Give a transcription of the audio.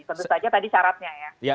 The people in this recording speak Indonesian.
tentu saja tadi syaratnya ya